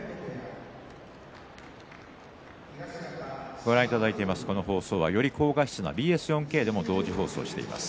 ご覧いただいている放送はより高画質なＢＳ４Ｋでも放送しています。